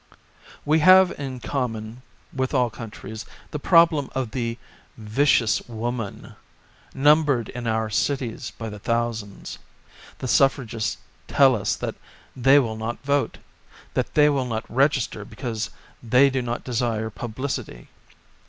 We have, in common with all coun tries, the problem of the vicious wo ^ man, numbered in our cities by the thousands. The suffragists tell us that they will not vote; that they will not register because they do not desire pub licity.